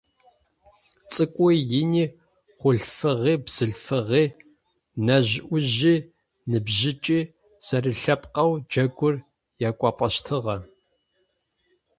Цӏыкӏуи ини, хъулъфыгъи бзылъфыгъи, нэжъ-ӏужъи ныбжьыкӏи - зэрэлъэпкъэу джэгур якӏуапӏэщтыгъэ.